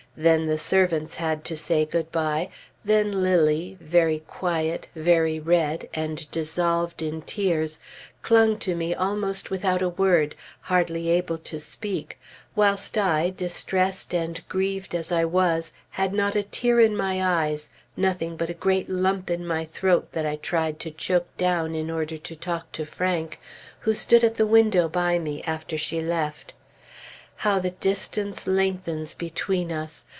Then the servants had to say good bye; then Lilly, very quiet, very red, and dissolved in tears, clung to me almost without a word, hardly able to speak, whilst I, distressed and grieved as I was, had not a tear in my eyes nothing but a great lump in my throat that I tried to choke down in order to talk to Frank, who stood at the window by me, after she left.... How the distance lengthens between us!